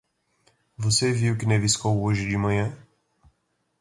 Você viu que neviscou hoje de manhã?